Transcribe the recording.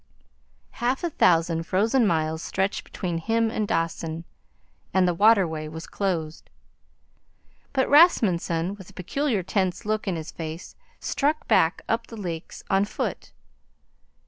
Half a thousand frozen miles stretched between him and Dawson, and the waterway was closed. But Rasmunsen, with a peculiar tense look in his face, struck back up the lakes on foot.